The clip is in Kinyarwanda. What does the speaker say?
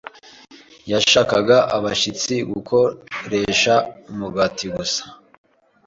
Yashaka abashyitsi gukoresha umugati gusa